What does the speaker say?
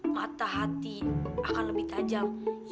mata hati akan lebih tajam